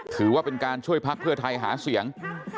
ถือว่าเป็นการช่วยพักเพื่อไทยหาเสียง